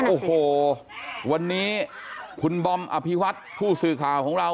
โอ้โหวันนี้คุณบอมอภิวัตผู้สื่อข่าวของเรา